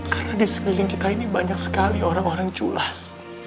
karena di sekeliling kita ini banyak sekali orang orang culas